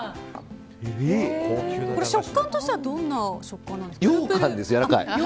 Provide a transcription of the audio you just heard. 食感としてはどんな食感なんですか？